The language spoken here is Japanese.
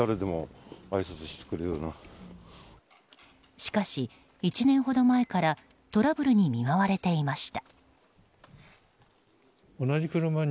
しかし、１年ほど前からトラブルに見舞われていました。